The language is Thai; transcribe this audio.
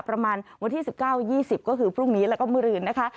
ประมาณวันที่๑๙๒๐ก็คือพรุ่งนี้แล้วก็เมื่อคืนนะคะ